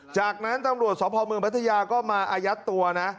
จากนั้นตำรวจสพเมืองพัทยาก็มาอายัดตัวนะ